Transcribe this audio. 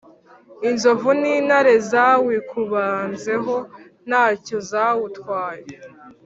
inzovu n’intare zawikubanzeho ntacyo zawutwaye